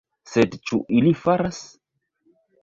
Sed ĉu ili faras?